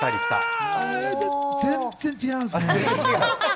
あ、全然違います。